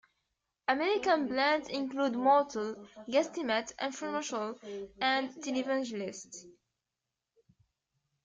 American blends include "motel, guesstimate, infomercial" and "televangelist.